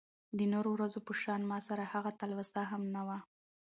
د نورو ورځو په شان ماسره هغه تلوسه هم نه وه .